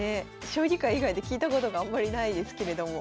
将棋界以外で聞いたことがあんまりないですけれども。